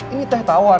ini teh tawar